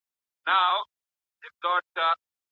خصوصي پوهنتون بې ارزوني نه تایید کیږي.